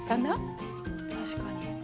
確かに。